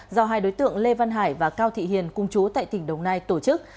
do hai đối tượng lê văn hải và cao thị hiền cung chú tại tỉnh đồng nai tổ chức